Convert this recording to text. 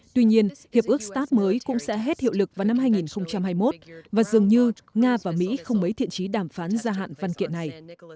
tuy nhiên hiệp ước start mới cũng sẽ hết hiệu lực vào năm hai nghìn hai mươi một và dường như nga và mỹ không mấy thiện trí đàm phán gia hạn văn kiện này